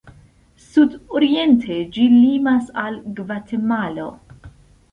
Sudoriente ĝi limas al Gvatemalo.